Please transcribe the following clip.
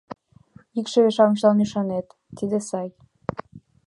— Икшывет-шамычлан ӱшанет — тиде сай.